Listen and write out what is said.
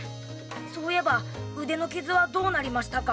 そういえば腕の傷はどうなりましたか？